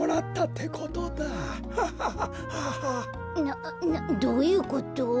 などういうこと？